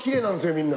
みんな。